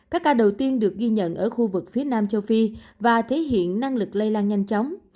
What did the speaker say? các ca đầu tiên được ghi nhận ở khu vực phía nam châu phi và thể hiện năng lực lây lan nhanh chóng